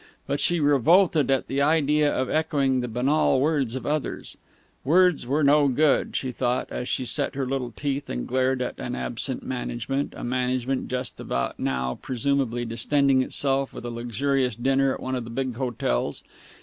But she revolted at the idea of echoing the banal words of the others. Words were no good, she thought, as she set her little teeth and glared at an absent management a management just about now presumably distending itself with a luxurious dinner at one of the big hotels.